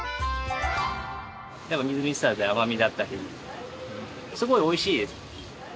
みずみずしさ甘みだったりすごい美味しいです。